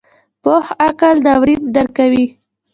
پوخ عقل ناورین درکوي